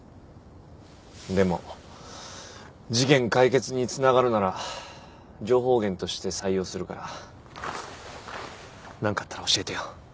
でも事件解決につながるなら情報源として採用するから何かあったら教えてよ。